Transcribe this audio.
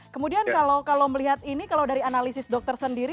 kemudian kalau melihat ini kalau dari analisis dokter sendiri